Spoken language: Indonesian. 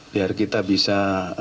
biar kita bisa